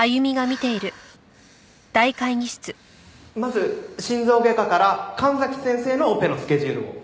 まず心臓外科から神崎先生のオペのスケジュールを。